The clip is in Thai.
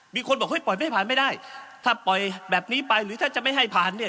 มีคนบอกเฮ้ยปล่อยไม่ให้ผ่านไม่ได้ถ้าปล่อยแบบนี้ไปหรือถ้าจะไม่ให้ผ่านเนี่ย